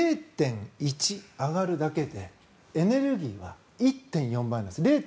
０．１上がるだけでエネルギーは１．４倍になります。